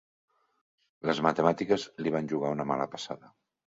Les matemàtiques li van jugar una mala passada.